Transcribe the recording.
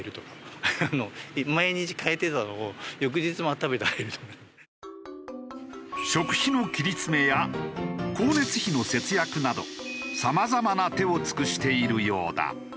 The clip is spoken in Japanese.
例えば。食費の切り詰めや光熱費の節約などさまざまな手を尽くしているようだ。